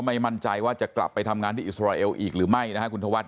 มั่นใจว่าจะกลับไปทำงานที่อิสราเอลอีกหรือไม่นะครับคุณธวัฒ